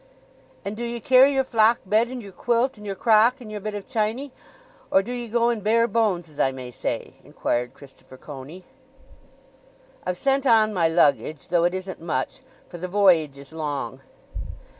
"And do ye carry your flock bed, and your quilt, and your crock, and your bit of chiney? or do ye go in bare bones, as I may say?" inquired Christopher Coney. "I've sent on my luggage—though it isn't much; for the voyage is long."